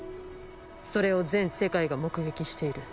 それを全世界が目撃している。